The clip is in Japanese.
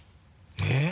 えっ？